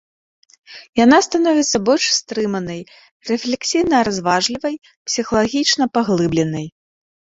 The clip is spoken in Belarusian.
Яна становіцца больш стрыманай, рэфлексійна-разважлівай, псіхалагічна-паглыбленай.